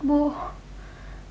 ayah belum pulang